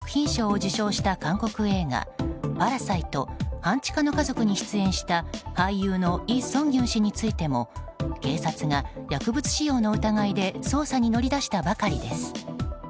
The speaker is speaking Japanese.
韓国の芸能界を巡ってはアカデミー賞作品賞を受賞した韓国映画「パラサイト半地下の家族」に出演した、俳優のイ・ソンギュン氏についても警察が薬物使用の疑いで捜査に乗り出したばかりです。